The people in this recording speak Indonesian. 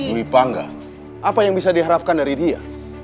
dwi pangga apa yang bisa diharapkan dari dia